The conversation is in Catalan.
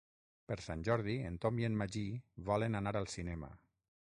Per Sant Jordi en Tom i en Magí volen anar al cinema.